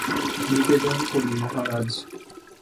নিবেদন করি মহারাজ।